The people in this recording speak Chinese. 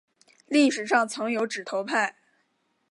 历史上曾有指头派。